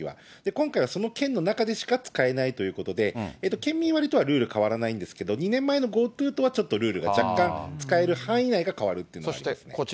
今回はその県の中でしか使えないということで、県民割とはルール変わらないんですけど、２年前のＧｏＴｏとはちょっとルールが若干、使える範囲内が変わるというのがありますね。